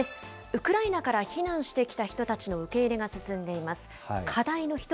ウクライナから避難してきた人たちの受け入れが進んでいます。